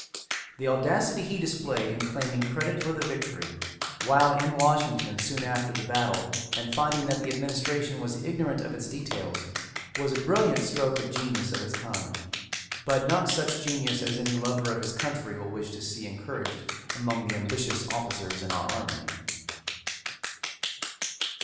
The audacity he displayed in claiming credit for the victory, while in Washington soon after the battle and finding that the administration was ignorant of its details, was a brilliant stroke of genius of its kind but not such genius as any lover of his country will wish to see encouraged among the ambitious officers in our army.